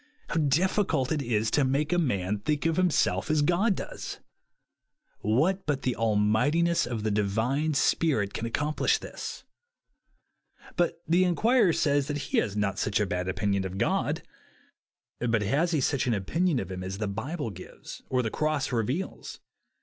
How difficult it is to make a man think of himself as God does ! What but the almightiness of the Divine Spirit can ac complish this ? But the inquirer says that he has not a bad opinion of God. But has he such an opinion of him as the Bible gives or the cross reveals